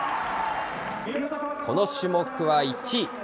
この種目は１位。